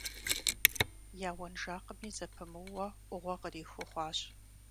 Я уэнжакъми зэпымыууэ Ӏугъуэ къриху хъуащ.